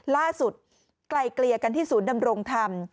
ล่าสุดไกลเกลี่ยกันที่ศูนย์ดำรงธรรม